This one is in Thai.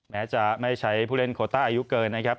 แม้จะไม่ใช้ผู้เล่นโคต้าอายุเกินนะครับ